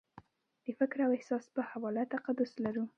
د فکر او احساس په حواله تقدس لرلو